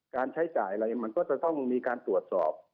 ใช้จ่ายอะไรมันก็จะต้องมีการตรวจสอบ